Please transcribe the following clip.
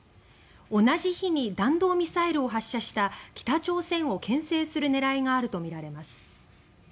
同じ日に弾道ミサイルを発射した北朝鮮をけん制する狙いがあるとみられます。